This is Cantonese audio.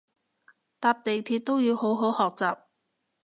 搭地鐵都要好好學習